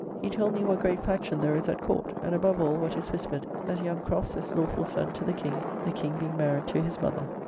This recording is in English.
He told me what great faction there is at Court; and above all, what is whispered, that young Crofts is lawful son to the King, the King being married to his mother.